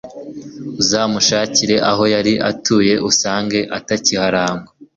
uzamushakira aho yari atuye usange atakiharangwa